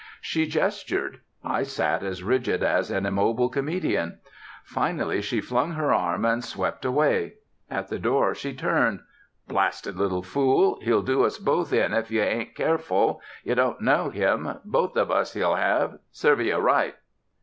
She gestured. I sat as rigid as an immobile comedian. Finally, she flung her arms, and swept away. At the door she turned; "Blasted little fool! He'll do us both in if y'ain't careful. You don't know him. Both of us he'll have. Serveyeh right."